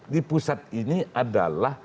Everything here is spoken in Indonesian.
di pusat ini adalah